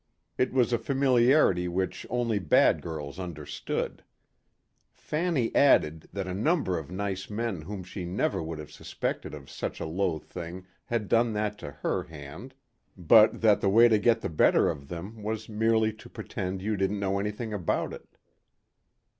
It was a familiarity which only bad girls understood. Fanny added that a number of nice men whom she never would have suspected of such a low thing had done that to her hand but that the way to get the better of them was merely to pretend you didn't know anything about it.